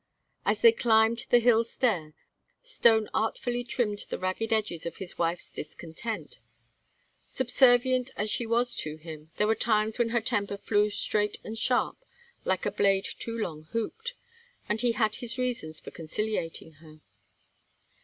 As they climbed the hill stair Stone artfully trimmed the ragged edges of his wife's discontent. Subservient as she was to him, there were times when her temper flew straight and sharp like a blade too long hooped, and he had his reasons for conciliating her.